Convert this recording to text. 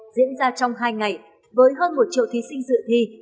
diễn ra trong hai ngày với hơn một triệu thí sinh dự thi